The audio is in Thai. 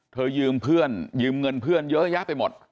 ยืมเพื่อนยืมเงินเพื่อนเยอะแยะไปหมด